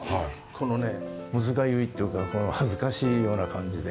このねむずがゆいっていうか恥ずかしいような感じで。